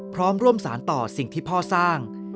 พร้อมร่วมสารต่อสิ่งที่พ่อสร้าง